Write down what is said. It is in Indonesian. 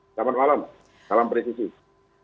selamat malam salam presidio